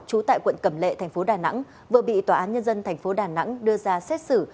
chú tại quận cầm lệ tp đà nẵng vừa bị tòa án nhân dân tp đà nẵng đưa ra xét xử